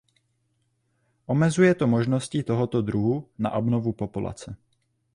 Omezuje to možnosti tohoto druhu na obnovu populace.